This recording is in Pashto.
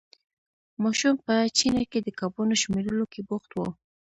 ماشوم په چینه کې د کبانو شمېرلو کې بوخت وو.